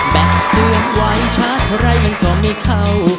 แบบเตือนไหวชาติไรมันก็ไม่เข้า